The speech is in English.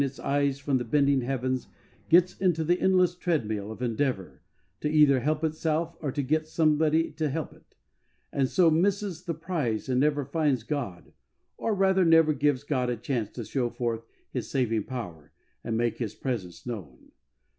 its eyes from the bending heavens, gets into the endless treadmill of endeavour to either help itself or to get some body to help it, and so misses the prize and never finds God, or rather never gives God a chance to show forth His saving power, and make His presence known.